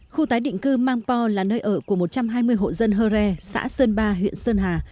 khu tái định cư mang po là nơi ở của một trăm hai mươi hộ dân hơ re xã sơn ba huyện sơn hà